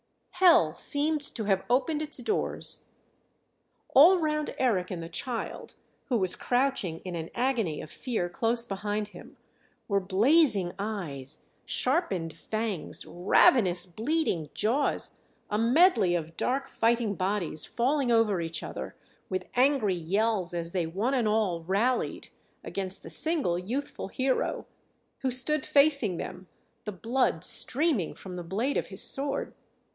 Hell seemed to have opened its doors. All round Eric and the child, who was crouching in an agony of fear close behind him, were blazing eyes, sharpened fangs, ravenous bleeding jaws, a medley of dark fighting bodies falling over each other with angry yells, as they one and all rallied against the single youthful hero, who stood facing them, the blood streaming from the blade of his sword.